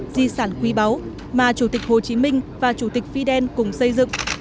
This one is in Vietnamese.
di sản quý báu mà chủ tịch hồ chí minh và chủ tịch phi đen cùng xây dựng